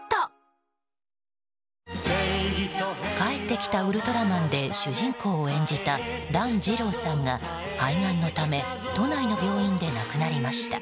「帰ってきたウルトラマン」で主人公を演じた団時朗さんが、肺がんのため都内の病院で亡くなりました。